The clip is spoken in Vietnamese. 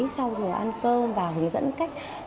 sau giờ ăn cơm và hướng dẫn cách